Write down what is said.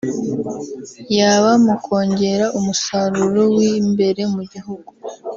yaba mu kongera umusaruro w’imbere mu gihugu